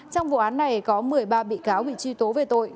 trong vụ án này có một mươi ba bị cáo bị truy tố về tội